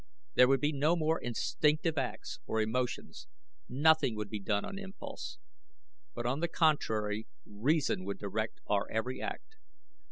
There would be no more instinctive acts or emotions, nothing would be done on impulse; but on the contrary reason would direct our every act.